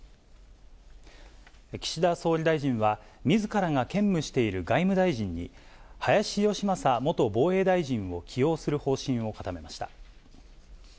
岸田総理大臣はみずからが兼務している外務大臣に、林芳正元防衛大臣を起用する方針を固めました。